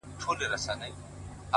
هغه خو ژوند هم په يو لوى منافقت کړى دى